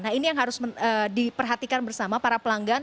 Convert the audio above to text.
nah ini yang harus diperhatikan bersama para pelanggan